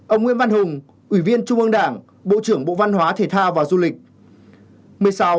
một mươi năm ông nguyễn văn hùng ủy viên trung ương đảng bộ trưởng bộ văn hóa thể thao và du lịch